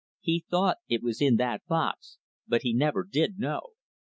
He thought it was in that box, but he never did know.